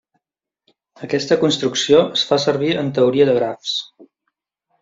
Aquesta construcció es fa servir en teoria de grafs.